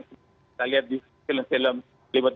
kita lihat di film film lewat tv